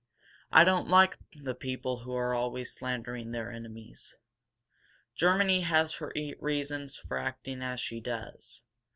I don't like the people who are always slandering their enemies. Germany has her reasons for acting as she does.